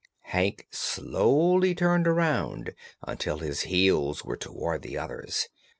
Hank slowly turned around until his heels were toward the others.